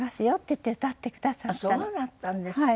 そうだったんですか。